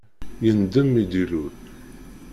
Yendem mi d-ilul.